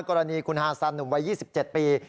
กรณีคุณฮาซันหนุ่มวัย๒๗ปี